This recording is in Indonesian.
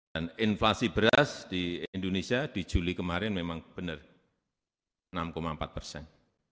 dan inflasi beras di indonesia di juli kemarin memang benar enam empat persen